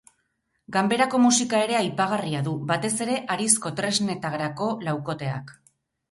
Ganberako musika ere aipagarria du, batez ere, harizko tresnetarako laukoteak.